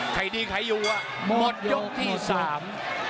ใครดีใครอยู่อ่ะหมดยกที่สาม